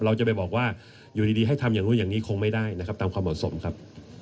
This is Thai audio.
เราจะไปบอกว่าอยู่ดีให้ทำอย่างนู้นอย่างนี้คงไม่ได้นะครับตามความเหมาะสมครับ